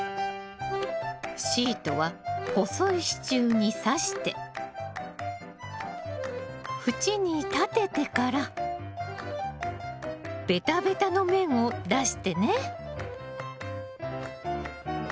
シートは細い支柱にさして縁に立ててからベタベタの面を出してね。